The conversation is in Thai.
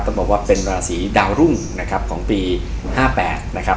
ต้องบอกว่าเป็นราศีดาวรุ่งนะครับของปี๕๘นะครับ